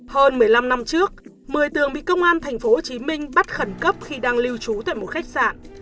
hơn một mươi năm năm trước một mươi tường bị công an tp hcm bắt khẩn cấp khi đang lưu trú tại một khách sạn